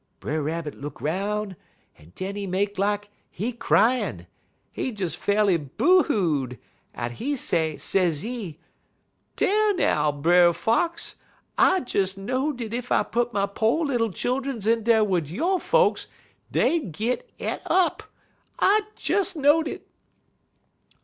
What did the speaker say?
"Brer Rabbit look 'roun', un den he make like he cryin'. He des fa'rly boo hoo'd, un he say, sezee: "'Dar now, Brer Fox! I des know'd dat ef I put my po' little childuns in dar wid yo' folks dey'd git e't up. I des know'd it!'